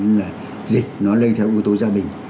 nên là dịch nó lây theo yếu tố gia đình